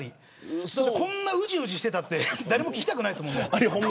こんなにうじうじしてたって誰も聞きたくないですよね。